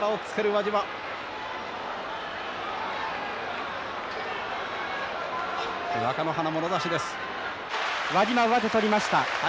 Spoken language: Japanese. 輪島、上手取りました。